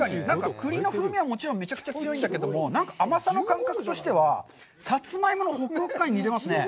栗の風味はもちろんめちゃくちゃ強いんだけども、なんか甘さの感覚としては、サツマイモのホクホク感に似ていますね。